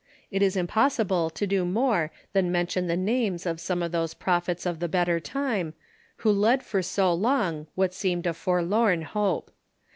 It is impossible to do more than mention the names of some of those prophets of the better time, Avho led for so long what seemed a forlorn hope.